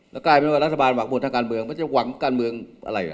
แล้วกลายเป็นว่ารัฐบาลหวังผลทางการเมืองไม่ใช่หวังการเมืองอะไร